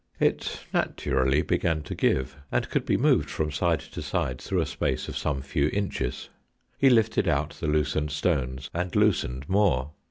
It naturally began to give, and could be moved from side to side through a space of some few inches. He lifted out the loosened stones, and loosened more.